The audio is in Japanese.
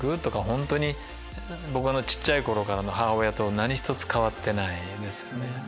本当に僕の小っちゃい頃からの母親と何一つ変わってないです。